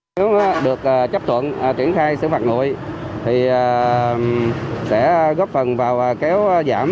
nếu được chấp thuận triển khai xử phạt nội thì sẽ góp phần vào kéo giảm